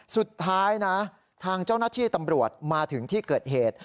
สุดท้ายนะทางเจ้าหน้าที่ตำรวจมาถึงที่เกิดเหตุ